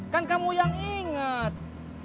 kan kamu yang inget